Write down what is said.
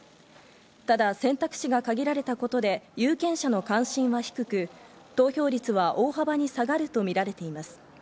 ただ選択肢が限られたことで有権者の関心は低く、投票率は大幅に下がるとみられています。